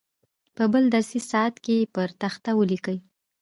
په بل درسي ساعت کې یې پر تخته ولیکئ.